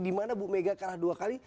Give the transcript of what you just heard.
dimana bu mega kalah dua kali